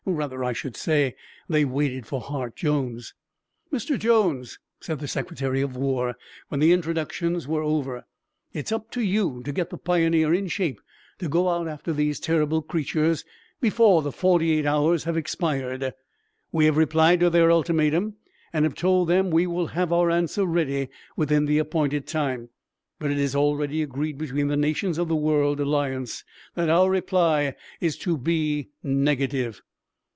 Rather, I should say, they waited for Hart Jones. "Mr. Jones," said the Secretary of War, when the introductions were over, "it is up to you to get the Pioneer in shape to go out after these terrible creatures before the forty eight hours have expired. We have replied to their ultimatum and have told them we will have our answer ready within the appointed time, but it is already agreed between the nations of the World Alliance that our reply is to be negative.